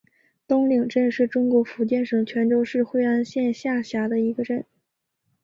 东岭镇是中国福建省泉州市惠安县下辖的一个镇。